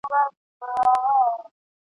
هغه ښار چي تا یې نکل دی لیکلی ..